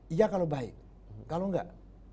iya kalau baik kalau enggak